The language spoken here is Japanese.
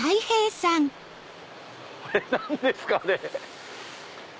これ何ですかね？